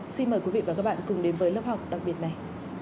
xin mời quý vị và các bạn cùng đến với lớp học đặc biệt này